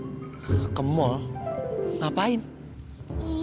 biar kamu ada temannya di sini